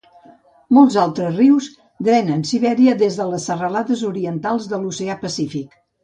Molts altres rius drenen Sibèria des de les serralades orientals a l'oceà Pacífic.